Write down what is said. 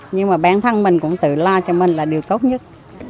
nhưng mà bản thân mình cũng tự lo cho mình là điều tốt nhất